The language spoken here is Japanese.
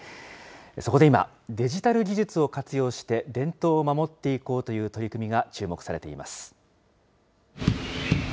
そこで今、デジタル技術を活用して、伝統を守っていこうという取り組みが注目されています。